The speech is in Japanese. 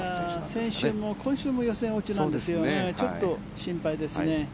先週も今週も予選落ちなのでちょっと心配ですね。